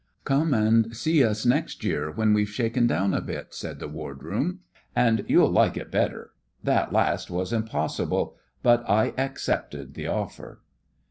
'Come and see us next year when we've shaken down a bit,' said the Ward room, 'and you'll like it better.' That last was impossible, but I accepted the offer.